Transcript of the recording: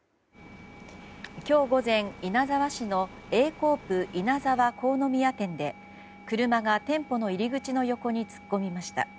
今日午前、稲沢市のＡコープ稲沢国府宮店で車が店舗の入り口の横に突っ込みました。